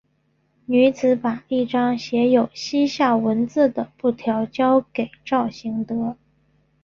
女子把一张写有西夏文字的布条交给赵行德。